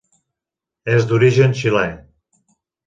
És d'origen xilè.